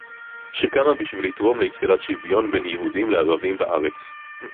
שקמה בשביל לתרום ליצירת שוויון בין יהודים לערבים בארץ